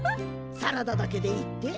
サラダだけでいいって？